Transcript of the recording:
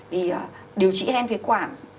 vì điều trị hen phế quản